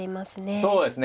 そうですね。